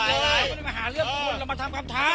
ไม่ได้มาหาเรื่องคนเรามาทำคำถาม